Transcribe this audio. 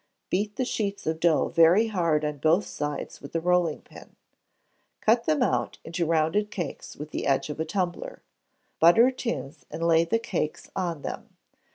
Beat the sheets of dough very hard on both sides with the rolling pin. Cut them out into round cakes with the edge of a tumbler. Butter tins and lay the cakes on them.